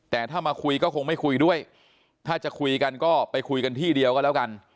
แต่ถ้ามาคุยก็คงไม่คุยด้วยถ้าจะคุยกันก็ไปคุยกันที่เดียวก็แล้วกัน